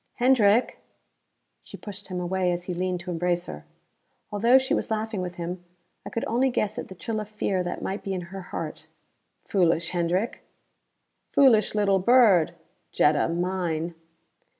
"Hendrick " She pushed him away as he leaned to embrace her. Although she was laughing with him, I could only guess at the chill of fear that might be in her heart. "Foolish, Hendrick!" "Foolish little bird, Jetta mine."